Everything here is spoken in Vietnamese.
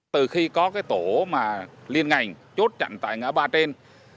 từ khi có tổ liên ngành chốt chặn tại ngã ba trên